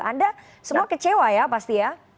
anda semua kecewa ya pasti ya